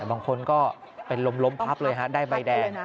บางคนก็เป็นลมพับเลยฮะได้ใบแดง